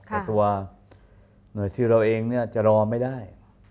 แต่ตัวหน่วยซิลเราเองจะรอไม่ได้